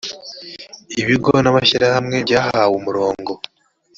ibigo n amashyirahamwe byahawe umurongo